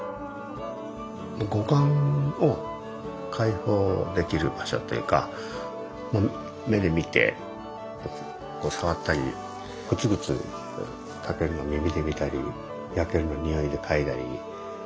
五感を解放できる場所というか目で見てこう触ったりグツグツ炊けるのを耳で見たり焼けるのを匂いで嗅いだり。